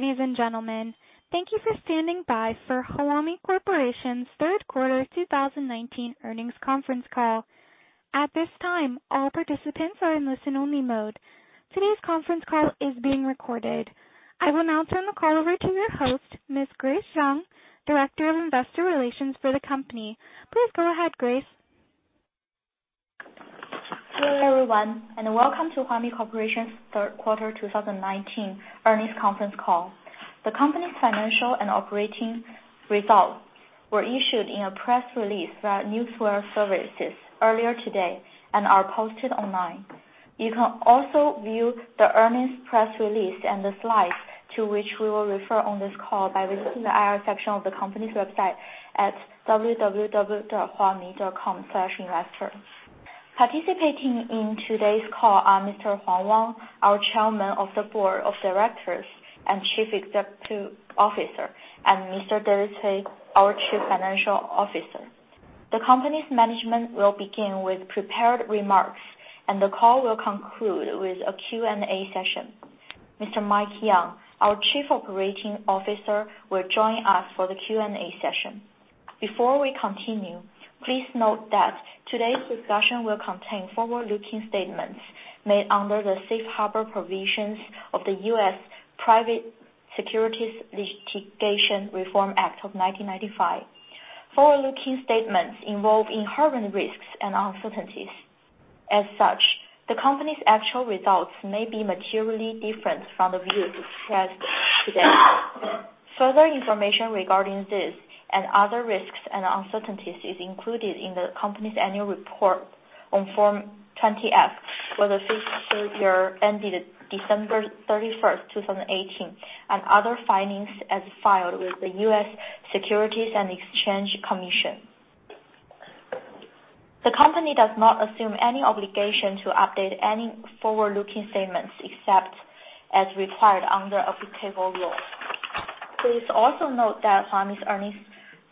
Hello, ladies and gentlemen. Thank you for standing by for Huami Corporation's third quarter 2019 earnings conference call. At this time, all participants are in listen-only mode. Today's conference call is being recorded. I will now turn the call over to your host, Ms. Grace Zhang, Director of Investor Relations for the company. Please go ahead, Grace. Hello, everyone, and welcome to Huami Corporation's third quarter 2019 earnings conference call. The company's financial and operating results were issued in a press release via news wire services earlier today and are posted online. You can also view the earnings press release and the slides, to which we will refer on this call, by visiting the IR section of the company's website at www.huami.com/investor. Participating in today's call are Mr. Wang Huang, our Chairman of the Board of Directors and Chief Executive Officer, and Mr. David Cui, our Chief Financial Officer. The company's management will begin with prepared remarks, and the call will conclude with a Q&A session. Mr. Mike Yeung, our Chief Operating Officer, will join us for the Q&A session. Before we continue, please note that today's discussion will contain forward-looking statements made under the Safe Harbor Provisions of the U.S. Private Securities Litigation Reform Act of 1995. Forward-looking statements involve inherent risks and uncertainties. As such, the company's actual results may be materially different from the views expressed today. Further information regarding this and other risks and uncertainties is included in the company's annual report on Form 20-F for the fiscal year ended December 31st, 2018, and other filings as filed with the U.S. Securities and Exchange Commission. The company does not assume any obligation to update any forward-looking statements, except as required under applicable law. Please also note that Huami's earnings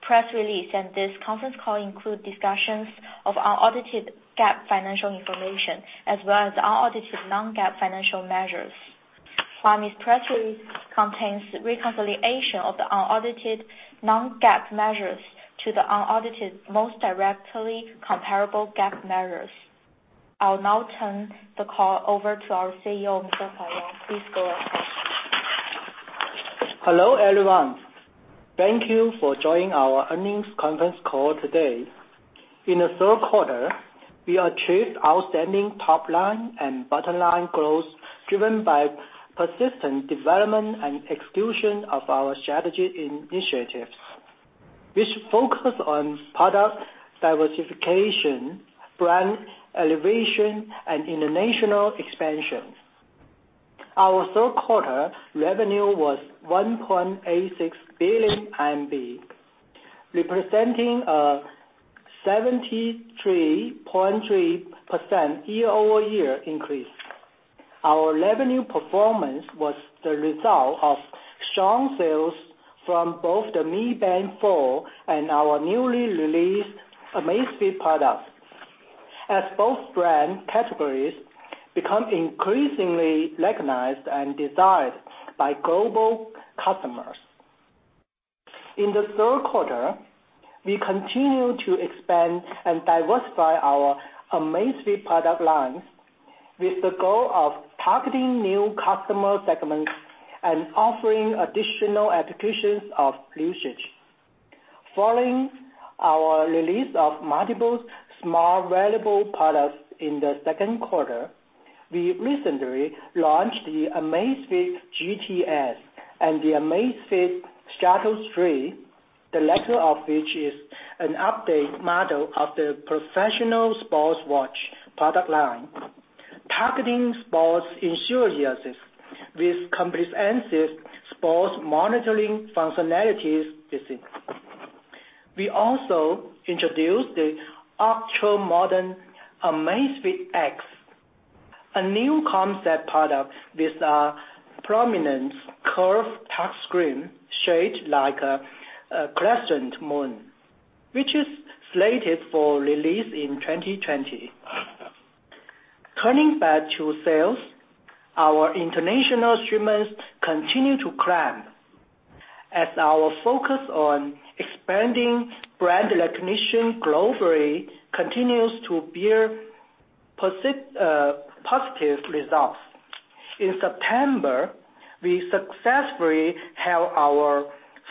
press release and this conference call include discussions of unaudited GAAP financial information, as well as unaudited non-GAAP financial measures. Huami's press release contains reconciliation of the unaudited non-GAAP measures to the unaudited most directly comparable GAAP measures. I'll now turn the call over to our CEO, Mr. Wang Huang. Please go ahead. Hello, everyone. Thank you for joining our earnings conference call today. In the third quarter, we achieved outstanding top-line and bottom-line growth, driven by persistent development and execution of our strategy initiatives, which focus on product diversification, brand elevation, and international expansion. Our third quarter revenue was 1.86 billion, representing a 73.3% year-over-year increase. Our revenue performance was the result of strong sales from both the Mi Band 4 and our newly released Amazfit products, as both brand categories become increasingly recognized and desired by global customers. In the third quarter, we continued to expand and diversify our Amazfit product lines, with the goal of targeting new customer segments and offering additional applications of usage. Following our release of multiple smart wearable products in the second quarter, we recently launched the Amazfit GTS and the Amazfit Stratos 3, the latter of which is an updated model of the professional sports watch product line, targeting sports enthusiasts with comprehensive sports monitoring functionalities. We also introduced the ultra-modern Amazfit X, a new concept product with a prominent curved touch screen shaped like a crescent moon, which is slated for release in 2020. Turning back to sales, our international shipments continue to climb as our focus on expanding brand recognition globally continues to bear positive results. In September, we successfully held our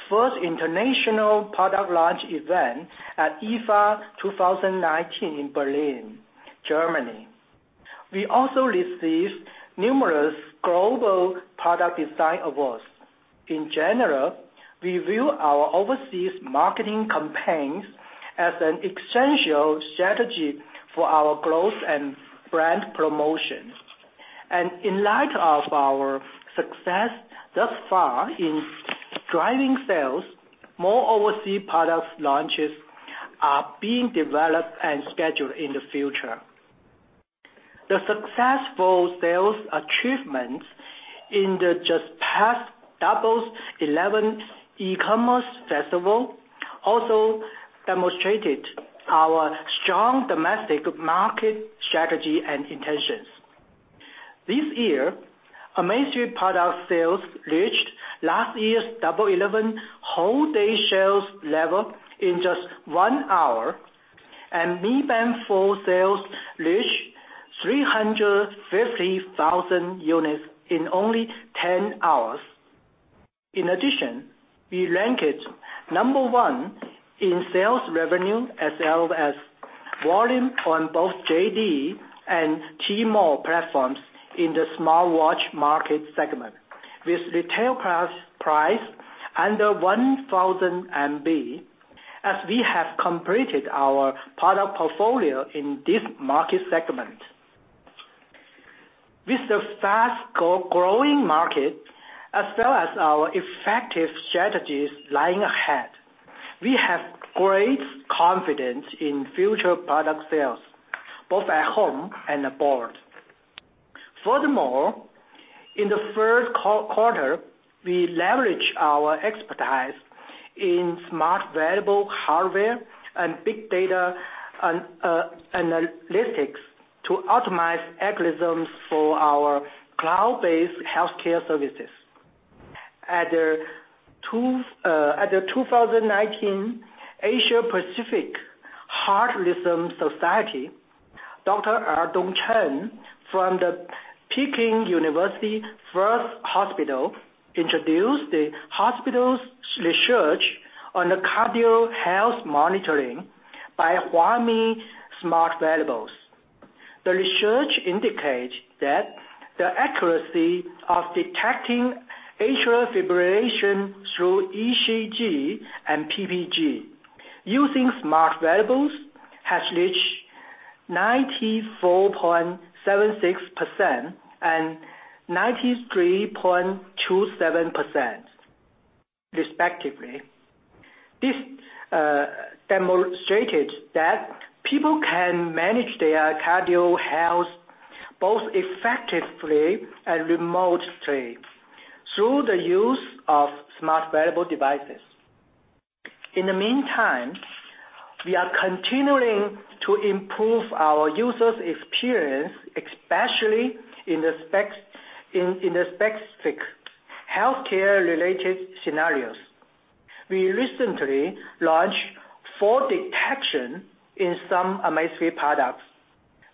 first international product launch event at IFA 2019 in Berlin, Germany. We also received numerous global product design awards. In general, we view our overseas marketing campaigns as an essential strategy for our growth and brand promotion. In light of our success thus far in driving sales, more overseas product launches are being developed and scheduled in the future. The successful sales achievements in the just past Double Eleven eCommerce Festival demonstrated our strong domestic market strategy and intentions. This year, Amazfit product sales reached last year's Double Eleven whole day sales level in just one hour, and Mi Band 4 sales reached 350,000 units in only 10 hours. In addition, we ranked number one in sales revenue as well as volume on both JD and Tmall platforms in the smartwatch market segment, with retail price under 1,000, as we have completed our product portfolio in this market segment. With the fast-growing market, as well as our effective strategies lying ahead, we have great confidence in future product sales, both at home and abroad. Furthermore, in the first quarter, we leveraged our expertise in smart wearable hardware and big data analytics to optimize algorithms for our cloud-based healthcare services. At the 2019 Asia Pacific Heart Rhythm Society, Dr. Erdong Chen from the Peking University First Hospital introduced the hospital's research on the cardio health monitoring by Huami smart wearables. The research indicates that the accuracy of detecting atrial fibrillation through ECG and PPG using smart wearables, has reached 94.76% and 93.27% respectively. This demonstrated that people can manage their cardio health both effectively and remotely, through the use of smart wearable devices. In the meantime, we are continuing to improve our users' experience, especially in the specific healthcare-related scenarios. We recently launched fall detection in some Amazfit products,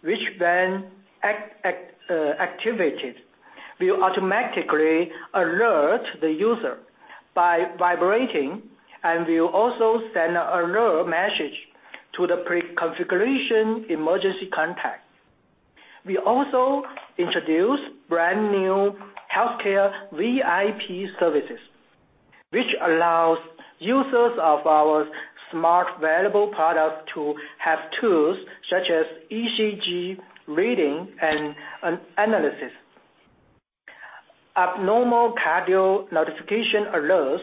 which when activated, will automatically alert the user by vibrating and will also send an alert message to the pre-configuration emergency contact. We also introduced brand-new healthcare VIP services, which allows users of our smart wearable products to have tools, such as ECG reading and analysis, abnormal cardio notification alerts,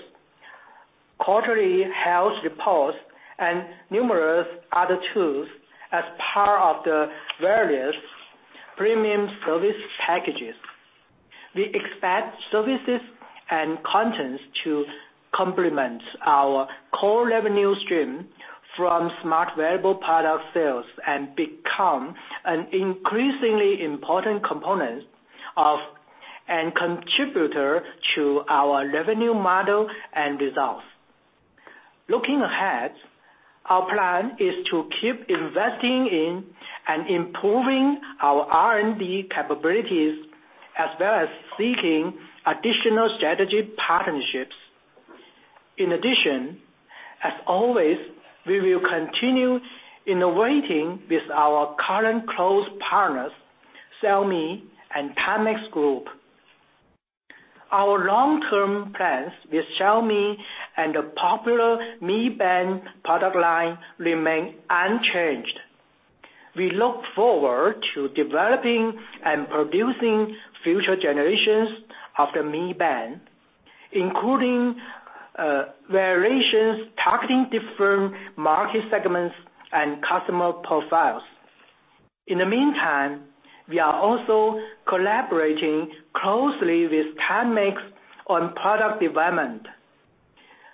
quarterly health reports, and numerous other tools as part of the various premium service packages. We expect services and contents to complement our core revenue stream from smart wearable product sales and become an increasingly important component of and contributor to our revenue model and results. Looking ahead, our plan is to keep investing in and improving our R&D capabilities, as well as seeking additional strategic partnerships. In addition, as always, we will continue innovating with our current close partners, Xiaomi and Timex Group. Our long-term plans with Xiaomi and the popular Mi Band product line remain unchanged. We look forward to developing and producing future generations of the Mi Band, including variations targeting different market segments and customer profiles. In the meantime, we are also collaborating closely with Timex on product development.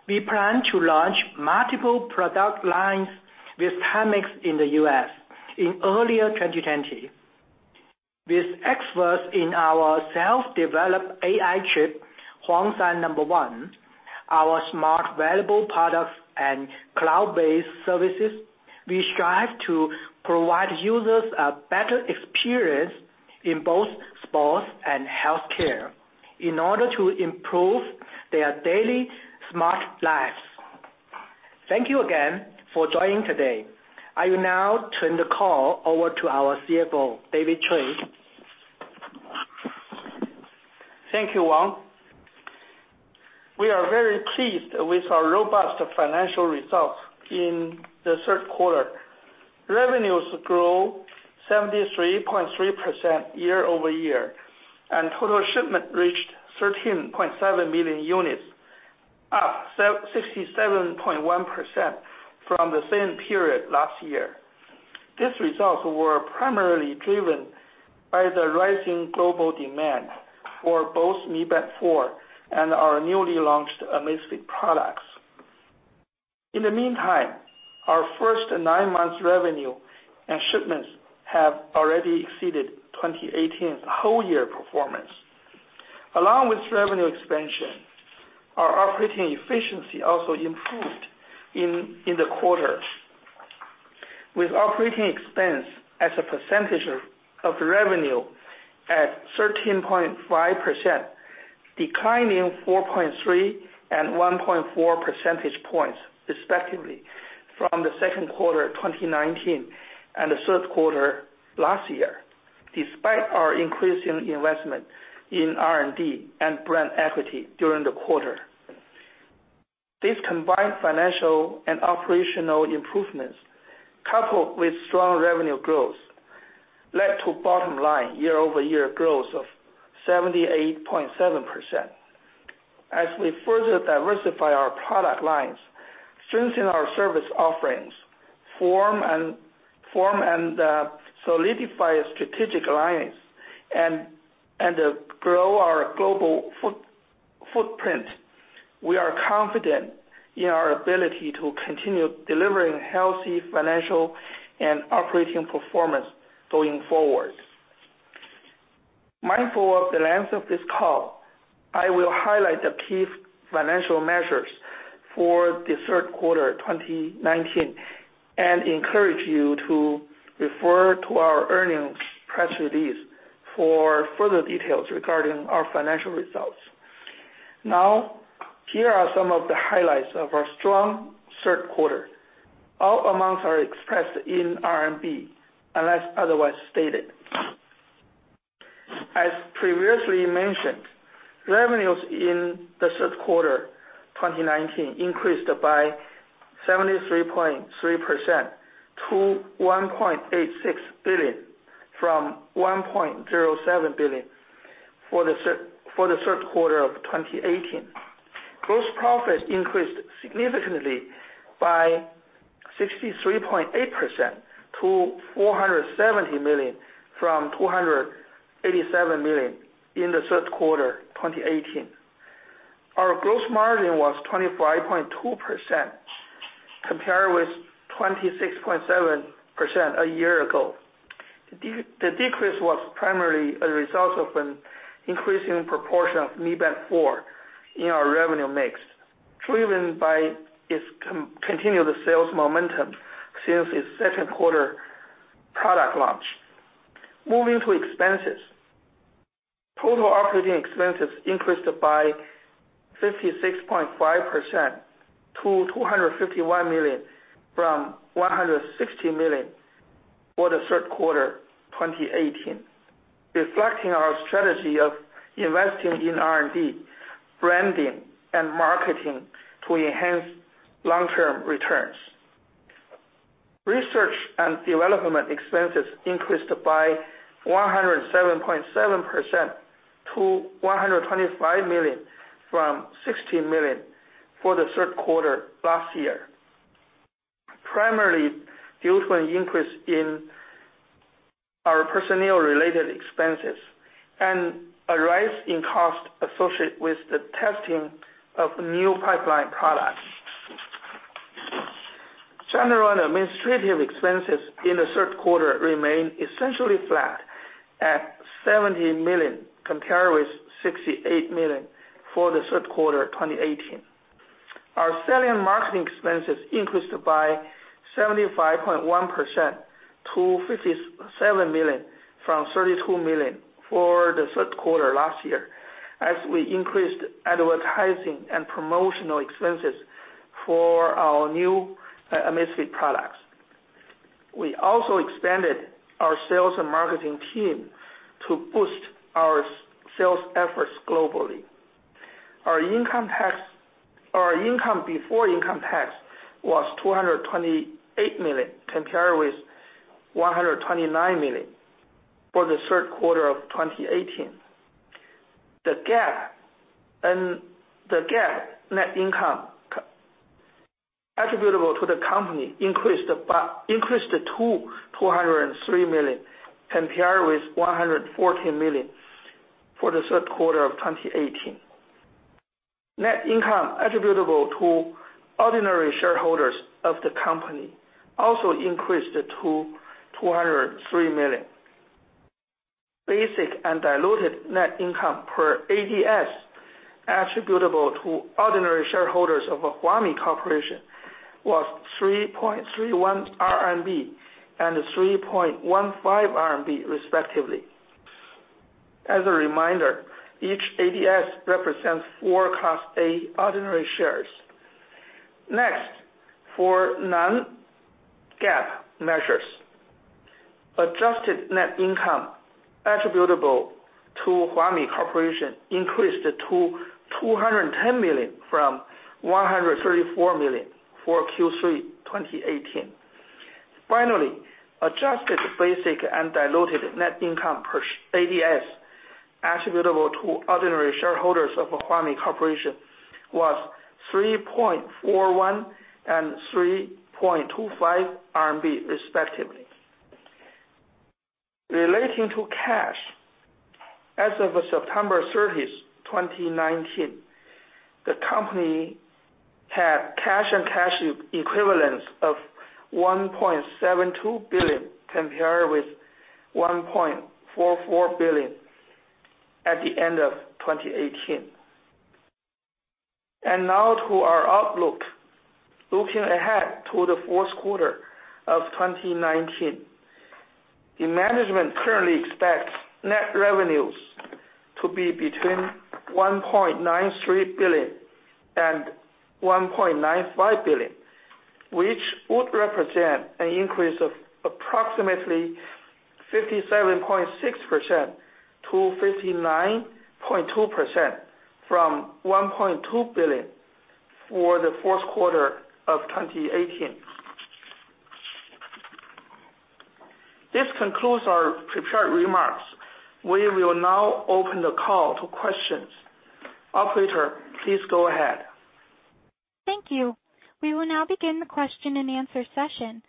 We plan to launch multiple product lines with Timex in the U.S. in early 2020. With experts in our self-developed AI chip, Huangshan-1, our smart wearable products and cloud-based services, we strive to provide users a better experience in both sports and healthcare in order to improve their daily smart lives. Thank you again for joining today. I will now turn the call over to our CFO, David Cui. Thank you, Huang. We are very pleased with our robust financial results in the third quarter. Revenues grew 73.3% year-over-year, and total shipment reached 13.7 million units, up 67.1% from the same period last year. These results were primarily driven by the rising global demand for both Mi Band 4 and our newly launched Amazfit products. In the meantime, our first nine months revenue and shipments have already exceeded 2018's whole year performance. Along with revenue expansion, our operating efficiency also improved in the quarter, with operating expense as a percentage of revenue at 13.5%, declining 4.3 and 1.4 percentage points respectively from the second quarter 2019 and the third quarter last year, despite our increase in investment in R&D and brand equity during the quarter. These combined financial and operational improvements, coupled with strong revenue growth, led to bottom-line year-over-year growth of 78.7%. As we further diversify our product lines, strengthen our service offerings, form and solidify strategic alliance, and grow our global footprint, we are confident in our ability to continue delivering healthy financial and operating performance going forward. Mindful of the length of this call, I will highlight the key financial measures for the third quarter 2019 and encourage you to refer to our earnings press release for further details regarding our financial results. Here are some of the highlights of our strong third quarter. All amounts are expressed in RMB unless otherwise stated. As previously mentioned, revenues in the third quarter 2019 increased by 73.3% to 1.86 billion from 1.07 billion for the third quarter of 2018. Gross profits increased significantly by 63.8% to 470 million from 287 million in the third quarter 2018. Our gross margin was 25.2%, compared with 26.7% a year ago. The decrease was primarily a result of an increasing proportion of Mi Band 4 in our revenue mix, driven by its continued sales momentum since its second quarter product launch. Moving to expenses. Total operating expenses increased by 56.5% to 251 million from 160 million for the third quarter 2018, reflecting our strategy of investing in R&D, branding, and marketing to enhance long-term returns. Research and development expenses increased by 107.7% to 125 million from 60 million for the third quarter last year, primarily due to an increase in our personnel-related expenses and a rise in cost associated with the testing of new pipeline products. General and administrative expenses in the third quarter remained essentially flat at 70 million, compared with 68 million for the third quarter 2018. Our selling marketing expenses increased by 75.1% to 57 million from 32 million for the third quarter last year, as we increased advertising and promotional expenses for our new Amazfit products. We also expanded our sales and marketing team to boost our sales efforts globally. Our income before income tax was 228 million, compared with 129 million for the third quarter of 2018. The GAAP net income attributable to the company increased to 203 million, compared with 114 million for the third quarter of 2018. Net income attributable to ordinary shareholders of the company also increased to 203 million. Basic and diluted net income per ADS attributable to ordinary shareholders of Huami Corporation was 3.31 RMB and 3.15 RMB respectively. As a reminder, each ADS represents four Class A ordinary shares. Next, for non-GAAP measures. Adjusted net income attributable to Huami Corporation increased to 210 million from 134 million for Q3 2018. Adjusted basic and diluted net income per ADS attributable to ordinary shareholders of Huami Corporation was 3.41 and 3.25 RMB, respectively. Relating to cash, as of September 30th, 2019, the company had cash and cash equivalents of 1.72 billion, compared with 1.44 billion at the end of 2018. Now to our outlook. Looking ahead to the fourth quarter of 2019, the management currently expects net revenues to be between 1.93 billion and 1.95 billion, which would represent an increase of approximately 57.6% to 59.2% from 1.2 billion for the fourth quarter of 2018. This concludes our prepared remarks. We will now open the call to questions. Operator, please go ahead. Thank you. We will now begin the question and answer session.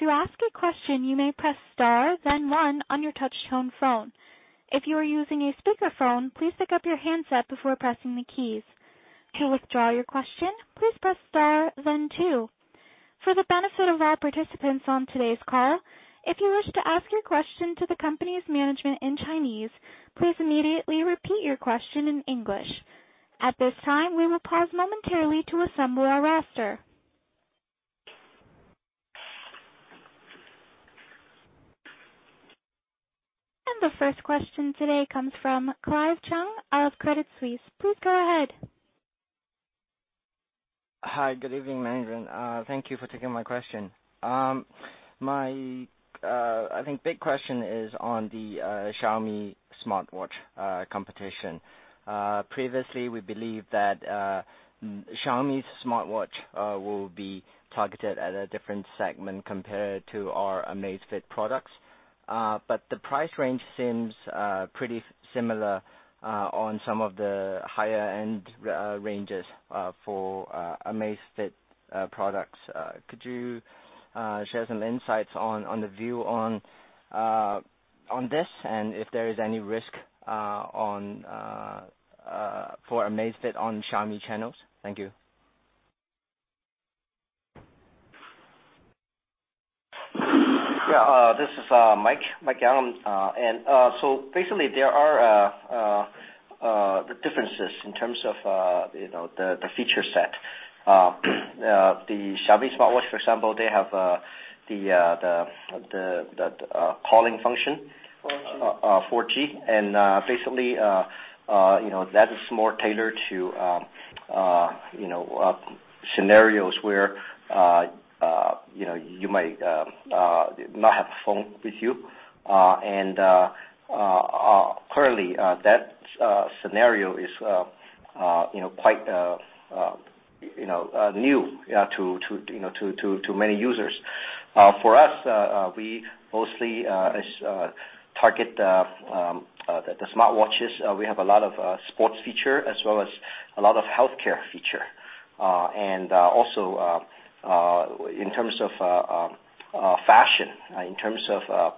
To ask a question, you may press star then one on your touchtone phone. If you are using a speakerphone, please pick up your handset before pressing the keys. To withdraw your question, please press star then two. For the benefit of our participants on today's call, if you wish to ask your question to the company's management in Chinese, please immediately repeat your question in English. At this time, we will pause momentarily to assemble our roster. The first question today comes from Clive Cheung out of Credit Suisse. Please go ahead. Hi. Good evening, management. Thank you for taking my question. My, I think, big question is on the Xiaomi smartwatch competition. Previously, we believe that Xiaomi's smartwatch will be targeted at a different segment compared to our Amazfit products. The price range seems pretty similar on some of the higher-end ranges for Amazfit products. Could you share some insights on the view on this and if there is any risk for Amazfit on Xiaomi channels? Thank you. Yeah. This is Mike Yeung. Basically, there are differences in terms of the feature set. The Xiaomi smartwatch, for example, they have the calling function. 4G. 4G. Basically, that is more tailored to scenarios where you might not have a phone with you. Currently, that scenario is quite new to many users. For us, we mostly target the smartwatches. We have a lot of sports feature as well as a lot of healthcare feature. Also, in terms of fashion, in terms of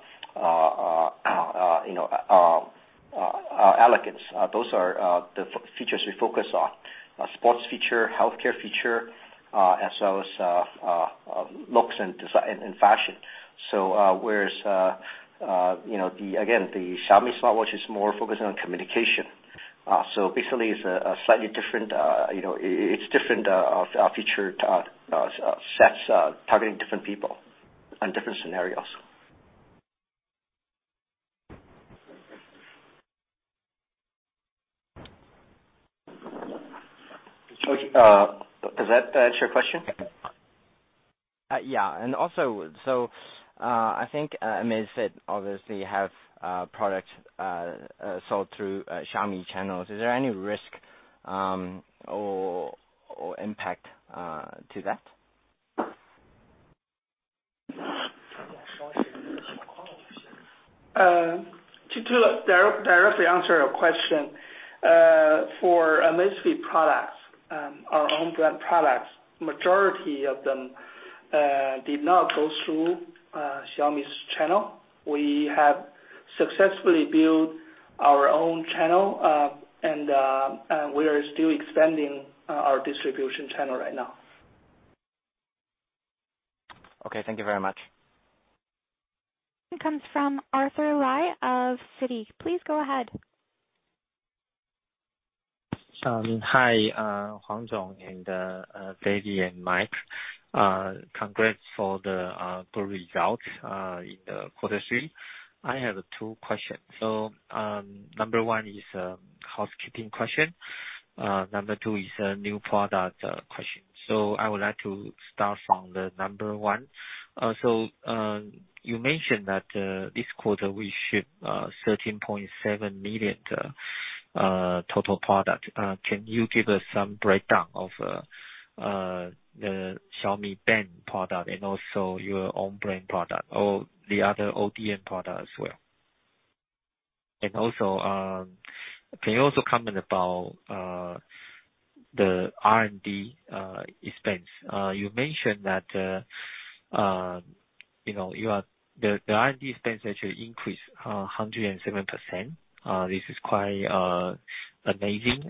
elegance, those are the features we focus on. Sports feature, healthcare feature, as well as looks and fashion. Whereas, again, the Xiaomi smartwatch is more focused on communication. Basically, it's different feature sets targeting different people and different scenarios. Does that answer your question? Yeah. I think Amazfit obviously have products sold through Xiaomi channels. Is there any risk or impact to that? To directly answer your question, for Amazfit products, our own brand products, majority of them did not go through Xiaomi's channel. We have successfully built our own channel, and we are still expanding our distribution channel right now. Okay. Thank you very much. Next comes from Arthur Lai of Citi. Please go ahead. Hi, Wang Huang and David Cui and Mike Yeung. Congrats for the good results in the Q3. Number one is a housekeeping question. Number two is a new product question. I would like to start from the number one. You mentioned that this quarter we ship 13.7 million total product. Can you give us some breakdown of the Mi Band product and also your own brand product or the other ODM product as well? Also, can you also comment about the R&D expense? You mentioned that the R&D expense actually increased 107%. This is quite amazing.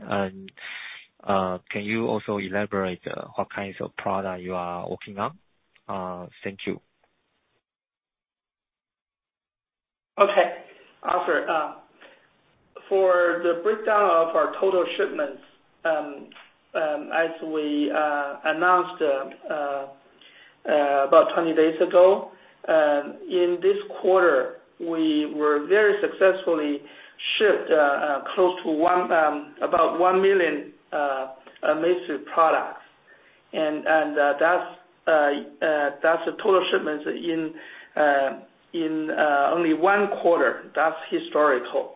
Can you also elaborate what kinds of product you are working on? Thank you. Okay. Arthur. For the breakdown of our total shipments, as we announced about 20 days ago, in this quarter, we very successfully shipped about 1 million Amazfit products. That's the total shipments in only one quarter. That's historical.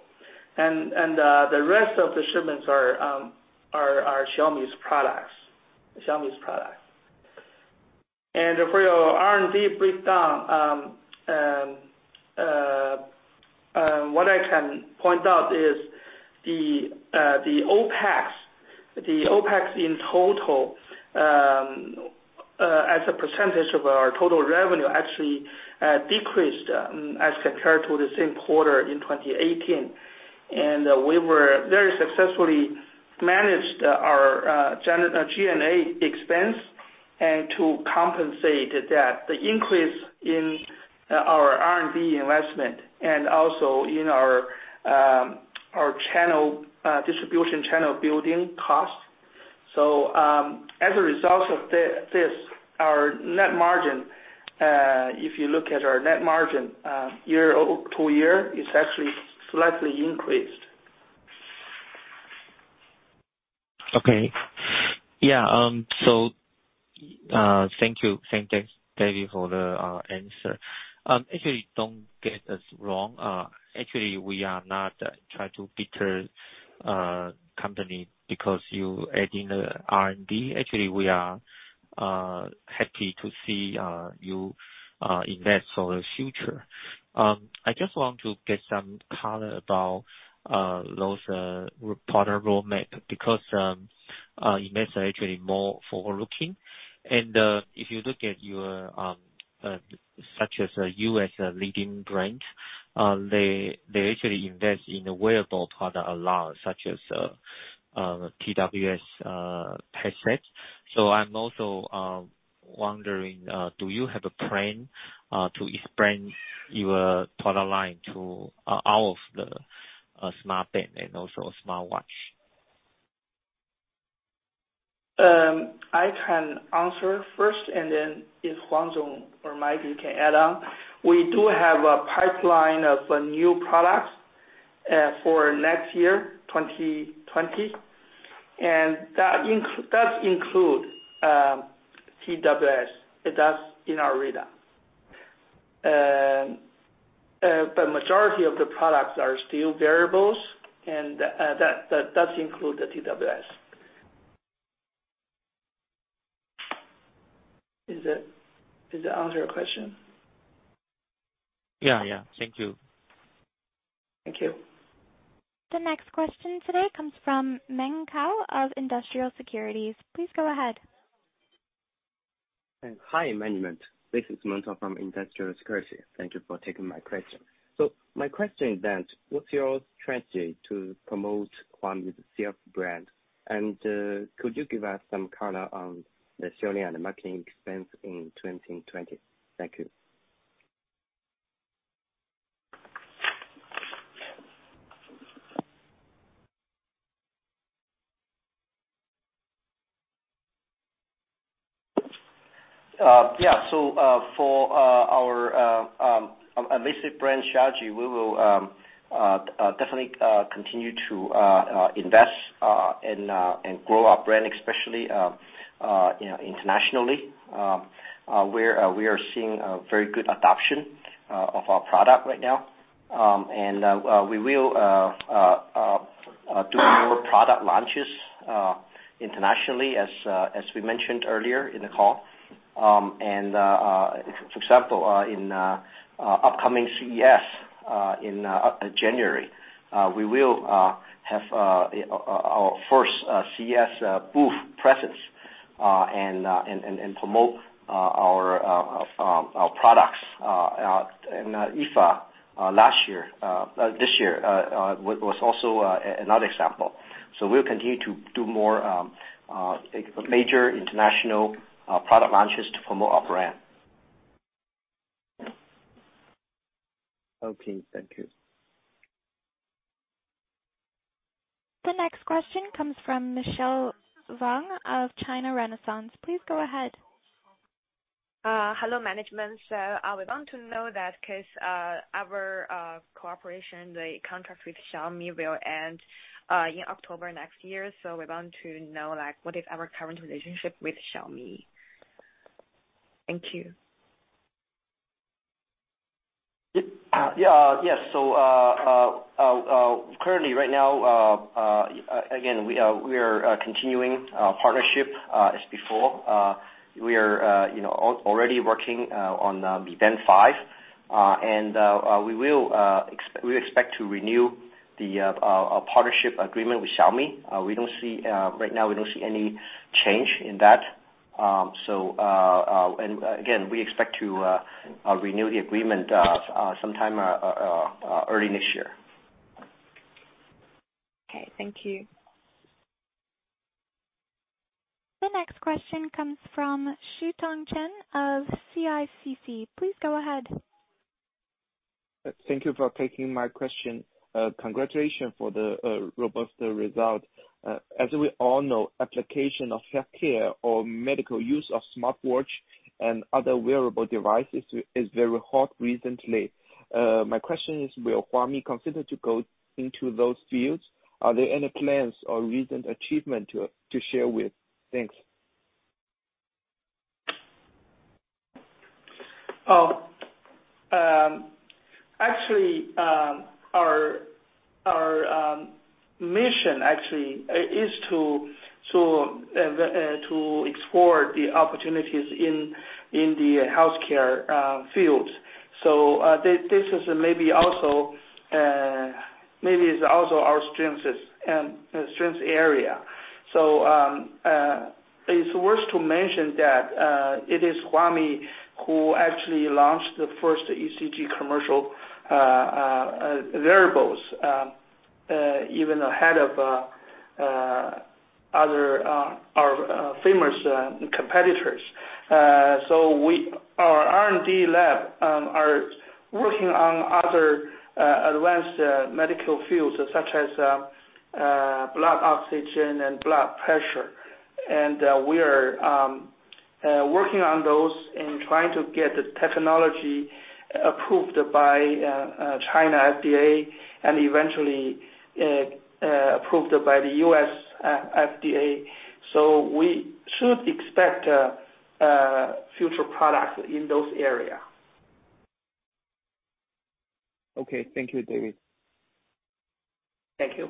The rest of the shipments are Xiaomi's products. For your R&D breakdown, what I can point out is the OPEX in total as a % of our total revenue, actually decreased as compared to the same quarter in 2018. We very successfully managed our G&A expense and to compensate that, the increase in our R&D investment and also in our distribution channel building cost. As a result of this, our net margin, if you look at our net margin year-to-year, it's actually slightly increased. Okay. Yeah. Thank you. Thanks, David, for the answer. Don't get us wrong. Actually, we are not trying to badger company because you add in the R&D. We are happy to see you invest for the future. I just want to get some color about those product roadmap, because investors are actually more forward-looking. If you look at such as Huawei as a leading brand, they actually invest in the wearable product a lot, such as TWS headset. I'm also wondering, do you have a plan to expand your product line to all of the smart band and also smartwatch? I can answer first, then if Wang Huang or Mike, you can add on. We do have a pipeline of new products for next year, 2020. That includes TWS. That's in our radar. Majority of the products are still wearables, and that does include the TWS. Does that answer your question? Yeah. Thank you. Thank you. The next question today comes from Meng Cao of Industrial Securities. Please go ahead. Hi, management. This is Meng Cao from Industrial Securities. Thank you for taking my question. My question is that, what's your strategy to promote Xiaomi's self-brand? Could you give us some color on the selling and the marketing expense in 2020? Thank you. For our basic brand strategy, we will definitely continue to invest and grow our brand, especially internationally. We are seeing a very good adoption of our product right now. We will do more product launches internationally as we mentioned earlier in the call. For example, in upcoming CES in January, we will have our first CES booth presence and promote our products. IFA this year was also another example. We'll continue to do more major international product launches to promote our brand. Okay. Thank you. The next question comes from Michelle Wang of China Renaissance. Please go ahead. Hello, management. I would want to know that because our cooperation, the contract with Xiaomi will end in October next year. We want to know what is our current relationship with Xiaomi. Thank you. Yes. Currently, right now, again, we are continuing our partnership as before. We are already working on the Band 5, and we expect to renew the partnership agreement with Xiaomi. Right now, we don't see any change in that. Again, we expect to renew the agreement sometime early next year. Okay, thank you. The next question comes from Xutong Chen of CICC. Please go ahead. Thank you for taking my question. Congratulations for the robust result. As we all know, application of healthcare or medical use of smartwatch and other wearable devices is very hot recently. My question is, will Huami consider to go into those fields? Are there any plans or recent achievements to share with? Thanks. Actually, our mission is to explore the opportunities in the healthcare field. This is maybe also our strength area. It is worth to mention that it is Huami who actually launched the first ECG commercial wearables, even ahead of other famous competitors. Our R&D lab are working on other advanced medical fields, such as blood oxygen and blood pressure. We are working on those and trying to get the technology approved by China FDA, and eventually approved by the US FDA. We should expect future products in those area. Okay. Thank you, David. Thank you.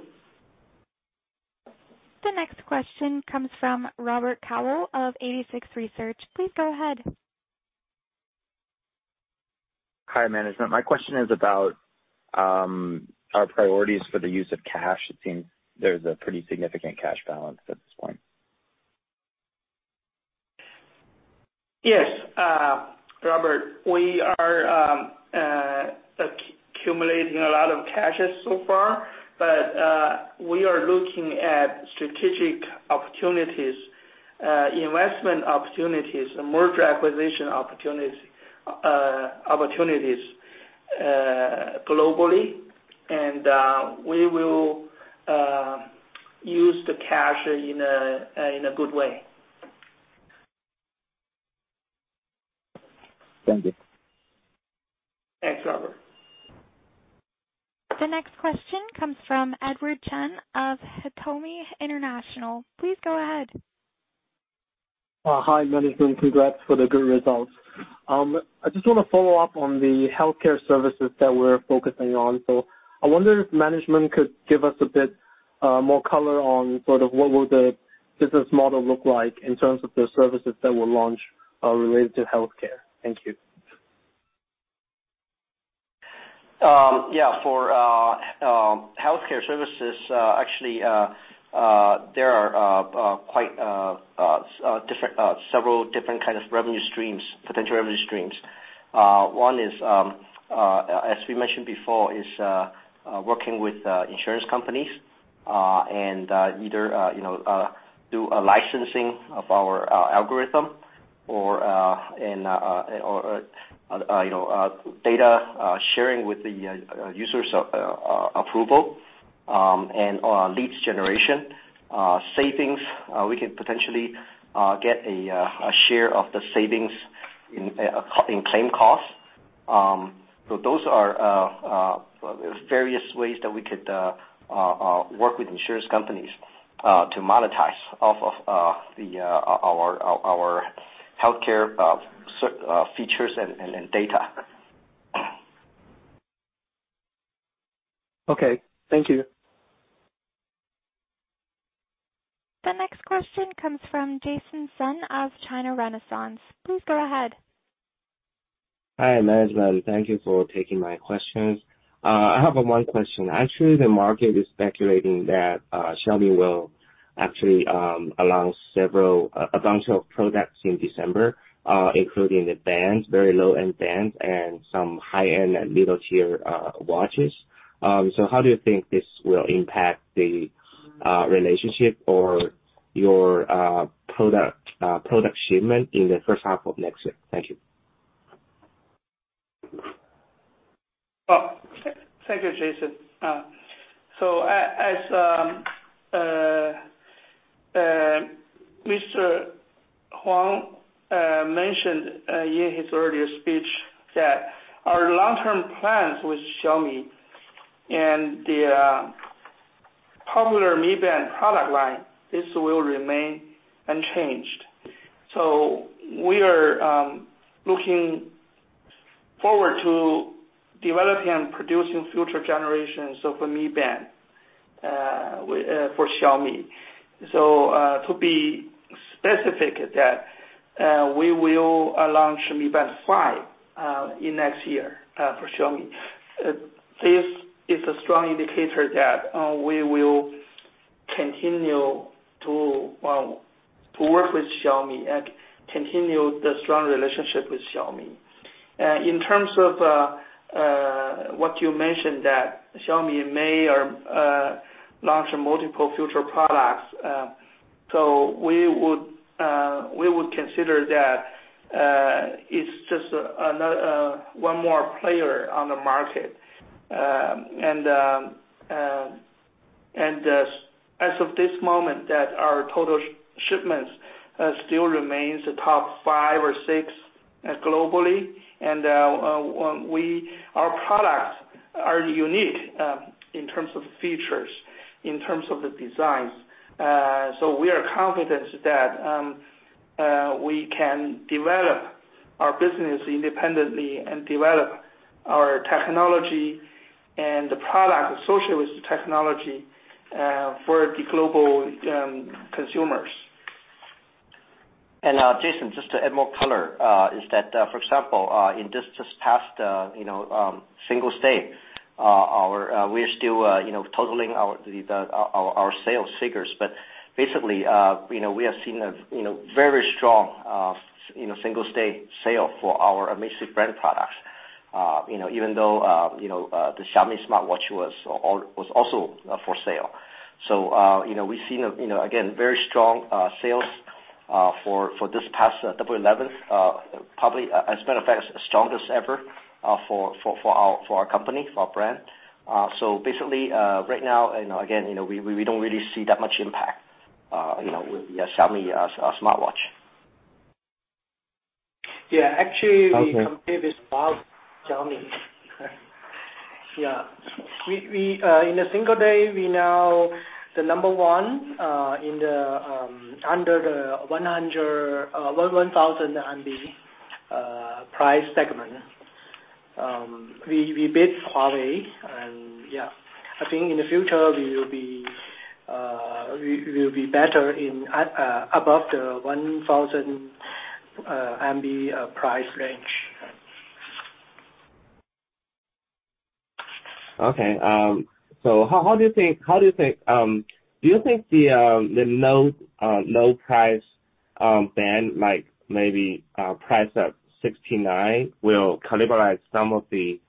The next question comes from Robert Cowell of 86 Research. Please go ahead. Hi, management. My question is about our priorities for the use of cash. It seems there's a pretty significant cash balance at this point. Yes, Robert. We are accumulating a lot of cash so far. We are looking at strategic opportunities, investment opportunities, and merger acquisition opportunities globally. We will use the cash in a good way. Thank you. Thanks, Robert. The next question comes from Edward Chen of Haitong International. Please go ahead. Hi, management. Congrats for the good results. I just want to follow up on the healthcare services that we're focusing on. I wonder if management could give us a bit more color on sort of what will the business model look like in terms of the services that will launch related to healthcare. Thank you. Yeah. For healthcare services, actually, there are several different kinds of potential revenue streams. One is, as we mentioned before, is working with insurance companies and either do a licensing of our algorithm or data sharing with the user's approval, and leads generation savings. We could potentially get a share of the savings in claim costs. Those are various ways that we could work with insurance companies to monetize off of our healthcare features and data. Okay. Thank you. The next question comes from Jason Shen of China Renaissance. Please go ahead. Hi, management. Thank you for taking my questions. I have one question. Actually, the market is speculating that Xiaomi will actually announce a bunch of products in December, including the bands, very low-end bands, and some high-end and middle-tier watches. How do you think this will impact the relationship or your product shipment in the first half of next year? Thank you. Oh, thank you, Jason. As Mr. Huang mentioned in his earlier speech, our long-term plans with Xiaomi and the popular Mi Band product line, this will remain unchanged. We are looking forward to developing and producing future generations of Mi Band for Xiaomi. To be specific, that we will launch Mi Band 5 in next year for Xiaomi. This is a strong indicator that we will continue to work with Xiaomi and continue the strong relationship with Xiaomi. In terms of what you mentioned that Xiaomi may launch multiple future products, we would consider that it's just one more player on the market. As of this moment that our total shipments still remains the top five or six globally and our products are unique in terms of features, in terms of the designs. We are confident that we can develop our business independently and develop our technology and the product associated with the technology for the global consumers. Jason, just to add more color, is that for example, in this past single day, we are still totaling our sales figures. Basically, we have seen a very strong single-day sale for our Amazfit brand products. Even though the Xiaomi smartwatch was also for sale. We've seen, again, very strong sales for this past Double 11, probably as a matter of fact, strongest ever for our company, for our brand. Basically, right now, again, we don't really see that much impact with the Xiaomi smartwatch. Yeah. Okay We compete with Xiaomi. Yeah. In a single day, we now the number 1 under the CNY 1,000 price segment. We beat Huawei. Yeah, I think in the future, we will be better above the 1,000 price range. Okay. Do you think the low price band, maybe price of 69, will cannibalize some of the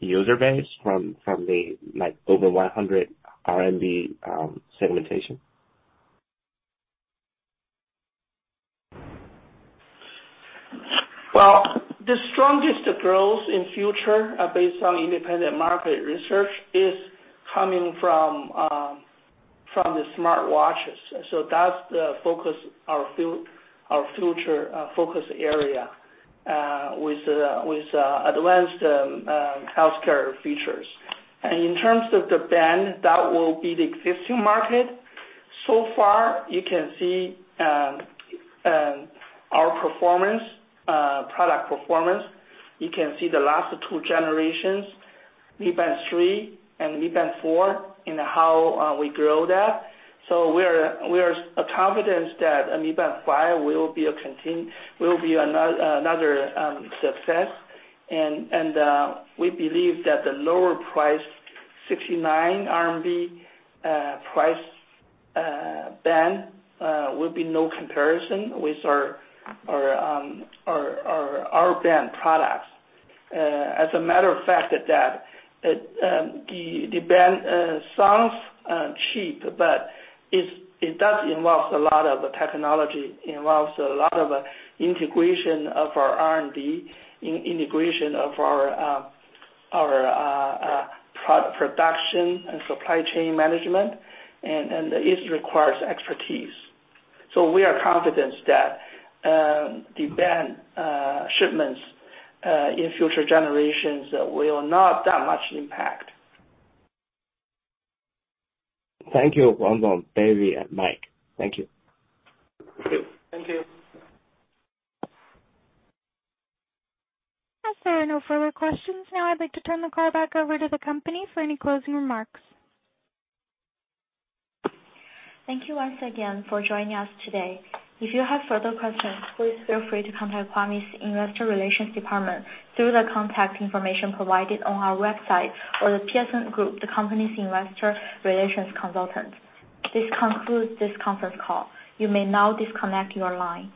user base from the over RMB 100 segmentation? The strongest growth in future, based on independent market research, is coming from the smartwatches. That's our future focus area, with advanced healthcare features. In terms of the band, that will be the existing market. So far, you can see our product performance. You can see the last two generations, Mi Band 3 and Mi Band 4, and how we grow that. We are confident that Mi Band 5 will be another success. We believe that the lower price, 69 RMB price band, will be no comparison with our band products. As a matter of fact, that the band sounds cheap, but it does involve a lot of technology, involves a lot of integration of our R&D, integration of our production and supply chain management, and it requires expertise. We are confident that the band shipments in future generations will not that much impact. Thank you, Wang Yong, David, and Mike. Thank you. Thank you. Thank you. As there are no further questions, I'd like to turn the call back over to the company for any closing remarks. Thank you once again for joining us today. If you have further questions, please feel free to contact Huami's investor relations department through the contact information provided on our website or The Piacente Group, the company's investor relations consultant. This concludes this conference call. You may now disconnect your line.